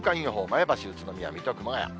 前橋、宇都宮、水戸、熊谷。